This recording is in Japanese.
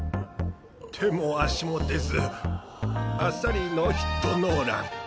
手も足も出ずあっさりノーヒットノーラン。